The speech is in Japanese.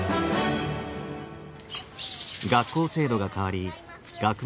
学校制度が変わり学問所は廃止。